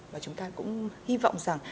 và chúng ta cũng hy vọng rằng